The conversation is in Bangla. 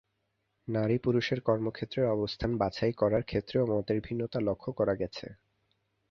নারী-পুরুষের কর্মক্ষেত্রের অবস্থান বাছাই করার ক্ষেত্রেও মতের ভিন্নতা লক্ষ করা গেছে।